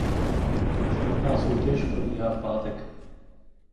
Samotná soutěž probíhá v pátek.